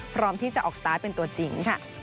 พร้อมที่จะออกสตาร์ทเป็นตัวจริงค่ะ